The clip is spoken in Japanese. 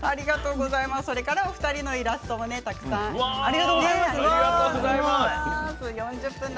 お二人のイラストもたくさんありがとうございます。